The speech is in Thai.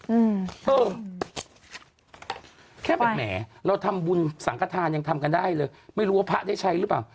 อืมเออแค่แบบแหมเราทำบุญสังขทานยังทำกันได้เลยไม่รู้ว่าพระได้ใช้หรือเปล่า